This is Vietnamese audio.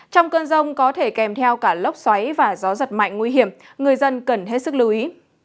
trong cơn rông có thể kèm theo cả lốc xoáy và gió giật mạnh nguy hiểm người dân cần hết sức lưu ý